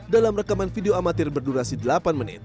dalam rekaman video amatir berdurasi delapan menit